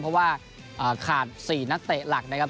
เพราะว่าขาด๔นักเตะหลักนะครับ